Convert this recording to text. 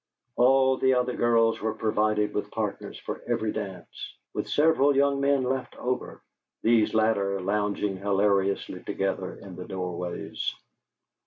All the other girls were provided with partners for every dance, with several young men left over, these latter lounging hilariously together in the doorways.